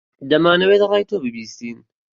دەمانەوێت ڕای تۆ ببیستین.